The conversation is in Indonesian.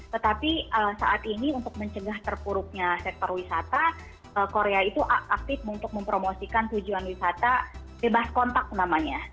tetapi saat ini untuk mencegah terpuruknya sektor wisata korea itu aktif untuk mempromosikan tujuan wisata bebas kontak namanya